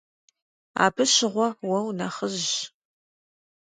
Абы щыгъуэ уэ унэхъыжьщ.